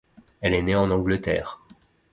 Elle est née en Angleterre.